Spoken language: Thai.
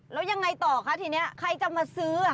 แล้วยังไงต่อคะทีนี้ใครจะมาซื้อ